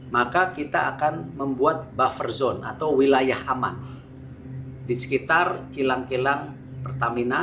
maka kita akan membuat buffer zone atau wilayah aman di sekitar kilang kilang pertamina